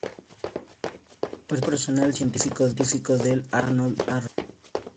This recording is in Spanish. Perteneció al personal científico del "Arnold Arboretum".